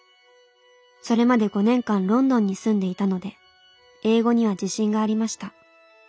それまで５年間ロンドンに住んでいたので英語には自信がありました。